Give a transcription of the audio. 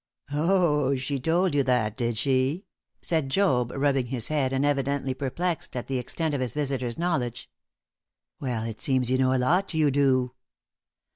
"Oh, she told you that, did she?" said Job, rubbing his head, and evidently perplexed at the extent of his visitor's knowledge. "Well, it seems you know a lot, you do!"